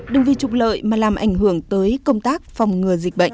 đừng vì trục lợi mà làm ảnh hưởng tới công tác phòng ngừa dịch bệnh